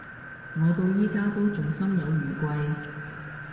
我到而家都仲心有餘悸